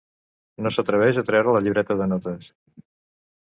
No s'atreveix a treure la llibreta de notes.